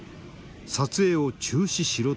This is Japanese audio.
撮影を中止しろという。